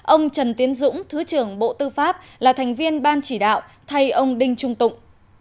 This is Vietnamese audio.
ông trần tiến dũng thứ trưởng bộ tư pháp là thành viên ban chỉ đạo thay ông đinh trung tụng